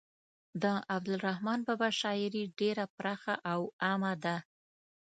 د عبدالرحمان بابا شاعري ډیره پراخه او عامه ده.